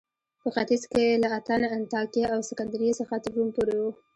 په ختیځ کې له اتن، انطاکیه او سکندریې څخه تر روم پورې و